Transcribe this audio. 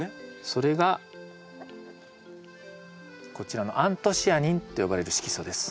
それがこちらのアントシアニンと呼ばれる色素です。